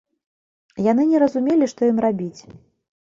Яны не разумелі, што ім рабіць.